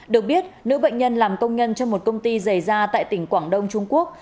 được biết nữ bệnh nhân làm công nhân trong một công ty dày ra tại tỉnh quảng đông trung quốc